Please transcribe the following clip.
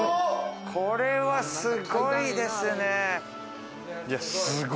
これはすごいですね。